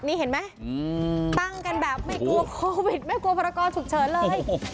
นี่เห็นไหมตั้งกันแบบไม่กลัวโควิดไม่กลัวพรกรฉุกเฉินเลย